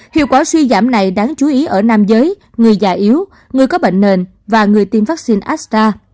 hiệu quả suy giảm này đáng chú ý ở nam giới người già yếu người có bệnh nền và người tiêm vaccine astra